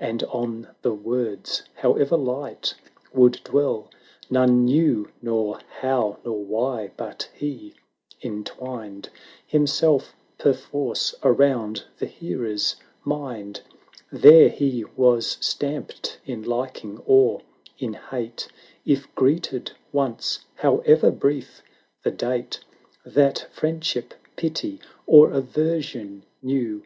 And on the words, however light, would dwell: 370 None knew, nor how, nor why, but he entwined Himself perforce around the hearer's mind; There he was stamped, in liking, or in hate, If greeted once; however brief the date That friendship, pity, or aversion knew.